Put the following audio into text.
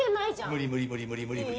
無理無理無理無理無理無理。